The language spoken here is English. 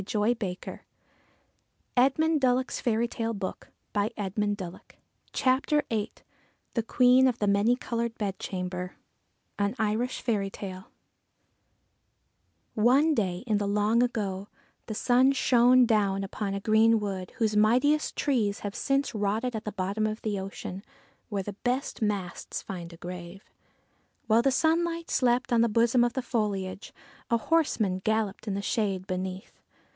Now let us go to supper.' THE QUEEN OF THE MANY COLOURED BEDCHAMBER THE QUEEN OF THE MANY COLOURED BEDCHAMBER AN IRISH FAIRY TALE ONE day in the long ago, the sun shone down upon a green wood whose mightiest trees have since rotted at the bottom of the ocean, where the best masts find a grave. While the sunlight slept on the bosom of the foliage, a horseman galloped in the shade beneath.